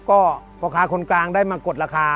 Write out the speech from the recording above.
ก็พ่อค้าคนกลางได้มากดราคา